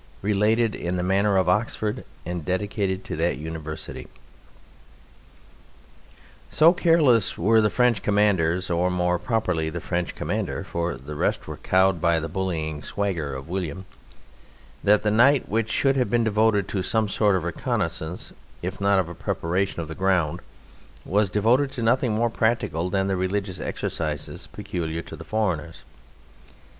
Related in the Manner of Oxford and Dedicated to that University So careless were the French commanders (or more properly the French commander, for the rest were cowed by the bullying swagger of William) that the night, which should have been devoted to some sort of reconnaissance, if not of a preparation of the ground, was devoted to nothing more practical than the religious exercises peculiar to foreigners.